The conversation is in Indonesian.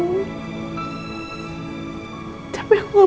saat aku mengikuti tolanku